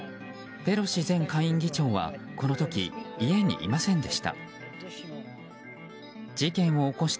ペロシ前下院議長は、この時家にいませんでした。